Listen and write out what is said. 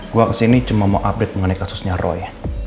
gue kesini cuma mau update mengenai kasusnya roy